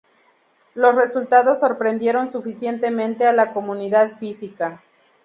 Los resultados sorprendieron suficientemente a la comunidad física.